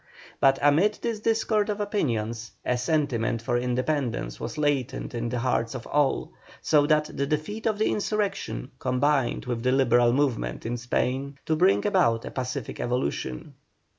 But amid this discord of opinions a sentiment for independence was latent in the hearts of all, so that the defeat of the insurrection combined with the Liberal movement in Spain to bring about a pacific evolution.